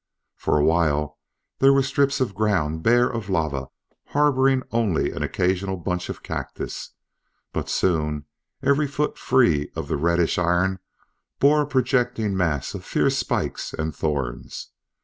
For a while there were strips of ground bare of lava and harboring only an occasional bunch of cactus, but soon every foot free of the reddish iron bore a projecting mass of fierce spikes and thorns.